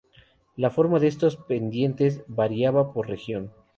La forma de estos pendientes variaba por región.